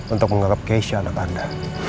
untuk menganggap cash anak anda